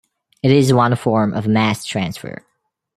It is one form of mass transfer.